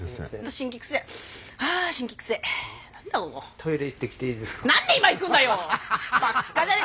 トイレ行ってきていいですか？